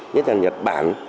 nhất là nhật bản